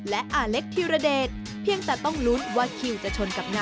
และอาเล็กษ์ธิรเดช